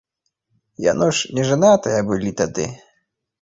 Яно ж нежанатыя былі тады?